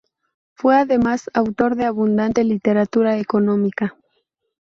Fue además autor de abundante literatura económica.